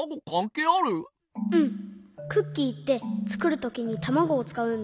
クッキーってつくるときにたまごをつかうんだよ。